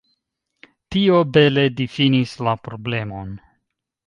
Tio bele difinis la problemon.